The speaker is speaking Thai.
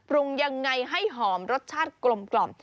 ยังไงให้หอมรสชาติกลม